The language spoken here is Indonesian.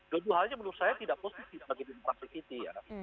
dua duanya menurut saya tidak positif bagi demokrasi kita